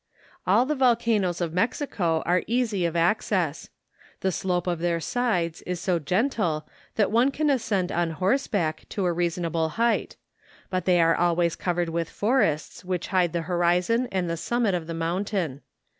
All the volcanoes of Mexico are easy of access. The slope of their sides is so gentle that one can ascend on horseback to a considerable height; but they are always covered with forests which hide the horizon and the summit of the mountain.